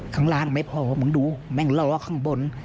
ข้างล่างไม่พอเหมือนดูแม่งล้อข้างบน